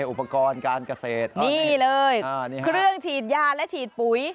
อุปกรณ์การเกษตรนี่เลยเครื่องฉีดยาและฉีดปุ๋ย